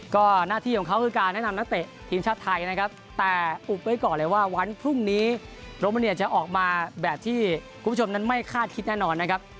ก็หน้าที่ของเขาคือการแนะนำนักเตะทีมชาติไทยนะครับแต่อุบไว้ก่อนเลยว่าวันพรุ่งนี้โรมาเนียจะออกมาแบบที่คุณผู้ชมนั้นไม่คาดคิดแน่นอนนะครับ